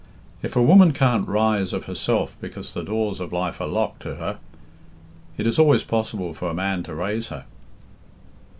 "If a woman can't rise of herself because the doors of life are locked to her, it is always possible for a man to raise her."